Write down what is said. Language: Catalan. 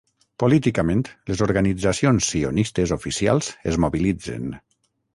Políticament, les organitzacions sionistes oficials es mobilitzen.